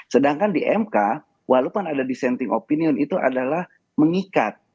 sedangkan di mk walaupun ada dissenting opinion itu adalah mengikat